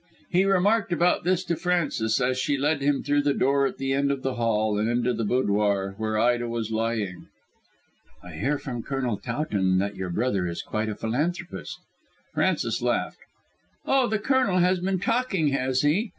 He remarked about this to Frances as she led him through the door at the end of the hall and into the boudoir, where Ida was lying. "I hear from Colonel Towton that your brother is quite a philanthropist." Frances laughed. "Oh, the Colonel has been talking, has he?